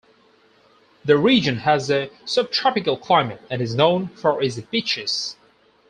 The region has a subtropical climate and is known for its beaches.